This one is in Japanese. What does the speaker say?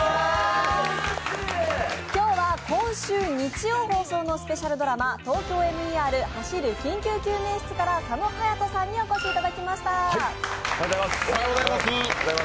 今日は今週日曜放送のスペシャルドラマ、「ＴＯＫＹＯＭＥＲ走る緊急救命室」から佐野勇斗さんにお越しいただきました。